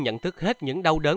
nhận thức hết những đau đớn